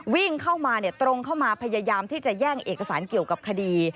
วิ่งเข้ามาตรงเข้ามาพยายามที่จะแย่งเอกสารเกี่ยวกับคดี